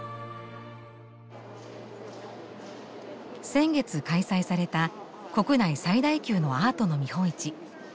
先月開催された国内最大級のアートの見本市。